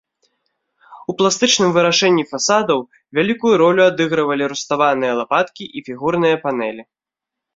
У пластычным вырашэнні фасадаў вялікую ролю адыгрывалі руставаныя лапаткі і фігурныя панэлі.